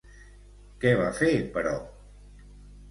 Què va fer, però?